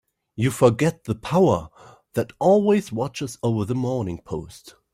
You forget the power that always watches over the Morning Post.